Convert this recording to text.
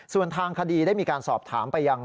ส่วนทางคดีได้มีการสอบถามไปยัง